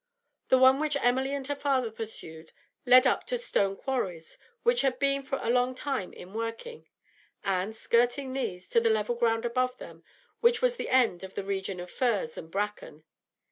The one which Emily and her father pursued led up to stone quarries, which had been for a long time in working, and, skirting these, to the level ground above them, which was the end of the region of furze and bracken.